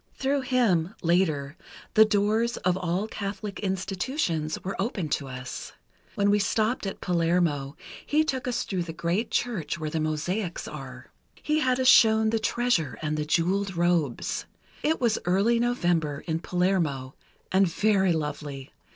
Through him, later, the doors of all Catholic Institutions were opened to us. When we stopped at Palermo, he took us through the great church where the mosaics are. He had us shown the treasure, and the jeweled robes. It was early November in Palermo, and very lovely.